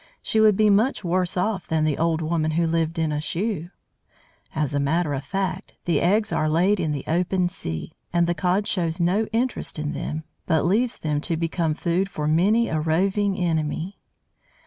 She would be much worse off than the "old woman who lived in a shoe." As a matter of fact, the eggs are laid in the open sea; and the Cod shows no interest in them, but leaves them to become food for many a roving enemy.